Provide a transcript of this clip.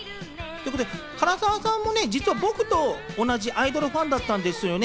唐沢さんも実は僕と同じアイドルファンだったんですよね。